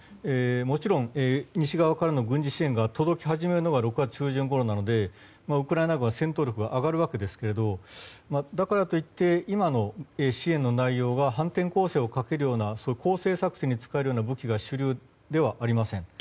もちろん西側からの軍事支援が届き始めるのが６月中旬ごろなのでウクライナ軍は戦闘力が上がるわけですがだからといって今の支援の内容は反転攻勢をかけるような攻勢作戦に使えるような武器が主流ではありません。